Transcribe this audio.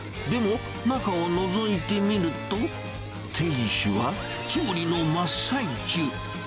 でも、中をのぞいてみると、店主は調理の真っ最中。